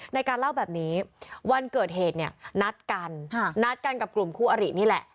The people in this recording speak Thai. ในการเล่าแบบนี้วันเกิดเหตุเนี่ยนัดกันนัดกันกับกลุ่มคู่อรินี่แหละ